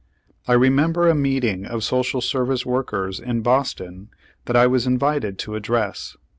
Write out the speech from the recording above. I remember a meeting of social service workers in Boston that I was invited to address.